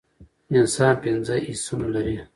انسان پنځه حسونه لری